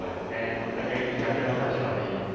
全く逆の立場といいますか。